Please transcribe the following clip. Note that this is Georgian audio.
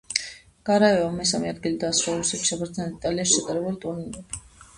გარაევამ მესამე ადგილით დაასრულა რუსეთში, საბერძნეთსა და იტალიაში ჩატარებული ტურნირები.